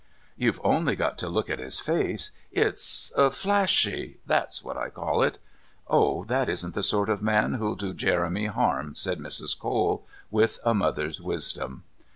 "You've only got to look at his face. It's 'flashy.' That's what I call it." "Oh, that isn't the sort of man who'll do Jeremy harm," said Mrs. Cole, with a mother's wisdom.